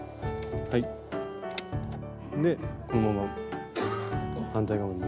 でこのまま反対側まで。